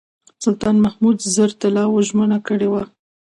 سلطان محمود زر طلاوو ژمنه کړې وه.